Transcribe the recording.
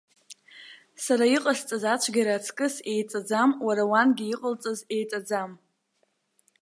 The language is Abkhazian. Сара иҟасҵаз ацәгьара аҵкыс еиҵаӡам уара уангьы иҟалҵаз, еиҵаӡам!